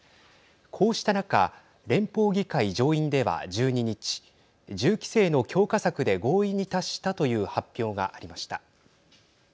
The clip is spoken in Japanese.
こうした中連邦議会上院では、１２日銃規制の強化策で合意に達したという発表がありました。